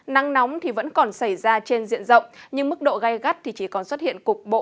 nắng nóng vẫn còn xảy ra trên diện rộng nhưng mức độ gây gắt chỉ còn xuất hiện cục bộ